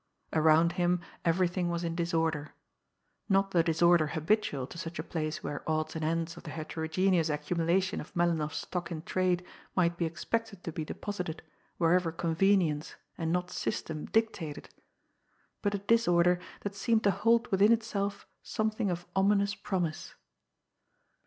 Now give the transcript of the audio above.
Around him everything was in disorder; not the disorder habitual to such a place where odds and ends of the heterogeneous accumulation of Melinoff's stock in trade might be expected to be deposited wherever convenience and not system dictated, but a disorder that seemed to hold within itself something of ominous promise.